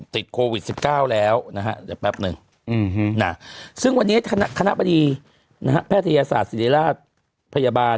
ติดโควิด๑๙แล้วนะฮะเดี๋ยวแป๊บหนึ่งซึ่งวันนี้คณะบดีแพทยศาสตร์ศิริราชพยาบาล